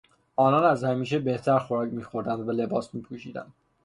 آنان از همیشه بهتر خوراک میخورند و لباس میپوشند.